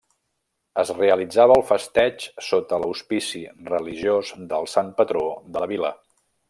Es realitzava el festeig sota l'auspici religiós del sant patró de la vila.